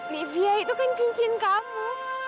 livia itu kan cincin kamu